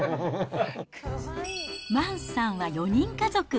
マンスさんは４人家族。